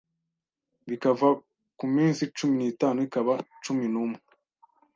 bikava ku minsi cumi nitanu ikaba cumi numwe